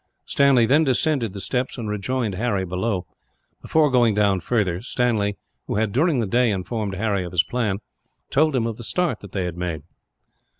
Stanley then descended the steps, and rejoined Harry below. Before going down further, Stanley, who had during the day informed Harry of his plan, told him of the start that they had made.